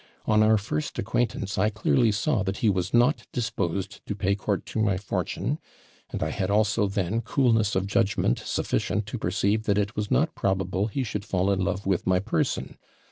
On our first acquaintance, I clearly saw that he was not disposed to pay court to my fortune; and I had also then coolness of judgment sufficient to perceive that it was not probable he should fall in love with my person.